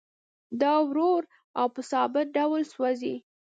دا ورو او په ثابت ډول سوځي